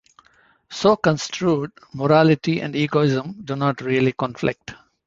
So construed, morality and egoism do not really conflict.